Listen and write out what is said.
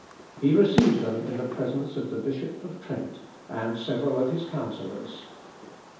He received them in the presence of the Bishop of Trent, and several of his counsellors.